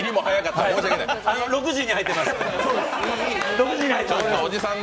６時に入ってます。